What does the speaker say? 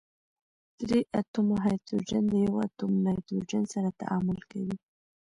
درې اتومه هایدروجن د یوه اتوم نایتروجن سره تعامل کوي.